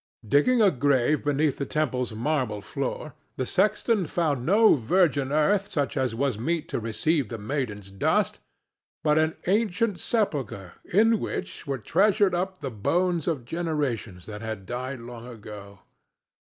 Digging a grave beneath the temple's marble floor, the sexton found no virgin earth such as was meet to receive the maiden's dust, but an ancient sepulchre in which were treasured up the bones of generations that had died long ago.